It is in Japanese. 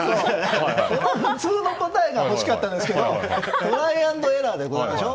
普通の答えが欲しかったんですがトライ＆エラーでしょ。